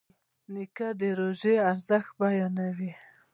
نیکه د روژې ارزښت بیانوي.